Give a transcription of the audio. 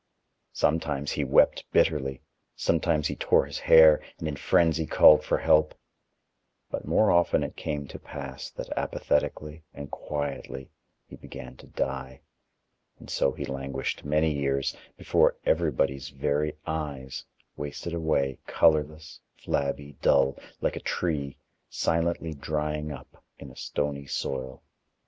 Sometimes, he wept bitterly, sometimes he tore his hair and in frenzy called for help; but more often it came to pass that apathetically and quietly he began to die, and so he languished many years, before everybody's very eyes, wasted away, colorless, flabby, dull, like a tree, silently drying up in a stony soil.